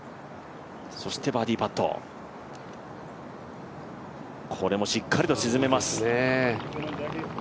そしてバーディーパット、これもしっかりと沈めます。